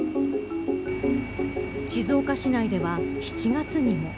静岡市内では７月にも。